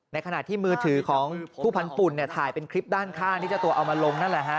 ในขณะที่มือถือของผู้พันธุ่นถ่ายเป็นคลิปด้านข้างที่เจ้าตัวเอามาลงนั่นแหละฮะ